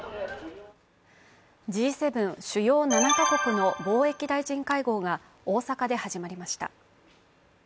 Ｇ７＝主要７か国の貿易大臣会合が大阪で始まりました。